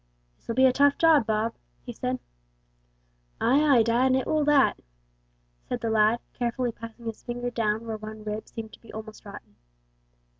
"This'll be a tough job, Bob," he said. "Aye, aye, dad, it will that," said the lad, carefully passing his finger down where one rib seemed to be almost rotten.